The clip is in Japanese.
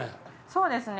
そうですね。